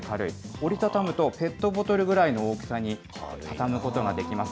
折り畳むと、ペットボトルぐらいの大きさに畳むことができます。